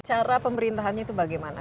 cara pemerintahannya itu bagaimana